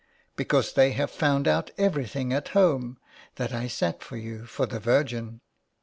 " Because they have found out everything at home, that I sat for you, for the Virgin."